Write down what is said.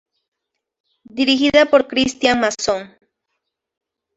Dirigida por Cristián Mason.